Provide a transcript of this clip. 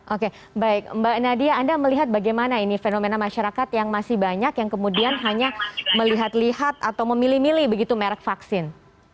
oke baik mbak nadia anda melihat bagaimana ini fenomena masyarakat yang masih banyak yang kemudian hanya melihat lihat atau memilih milih begitu merek vaksin